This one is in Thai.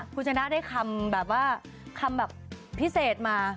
คุณชนะได้คำแบบว่าคำแบบพิเศษมา